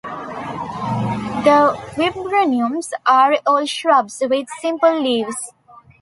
The viburnums are all shrubs, with simple leaves.